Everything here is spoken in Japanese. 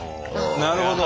なるほど。